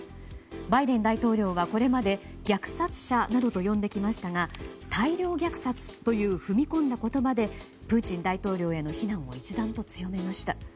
バイデン大統領は、これまで虐殺者などと呼んできましたが大量虐殺という踏み込んだ言葉でプーチン大統領への非難を一段と強めました。